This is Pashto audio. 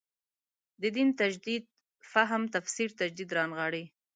دین تجدید فهم تفسیر تجدید رانغاړي.